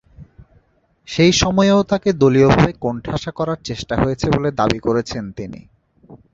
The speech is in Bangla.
সেই সময়েও তাকে দলীয়ভাবে কোণঠাসা করার চেষ্টা হয়েছে বলে দাবি করেছেন তিনি।